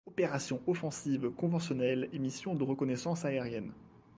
Opérations offensives conventionnelles et missions de reconnaissance aérienne.